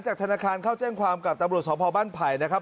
จากธนาคารเข้าแจ้งความกับตรับบริษัทสมภาพบ้านไผ่นะครับ